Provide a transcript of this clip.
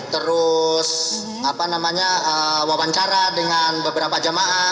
terus apa namanya wawancara dengan beberapa jamaah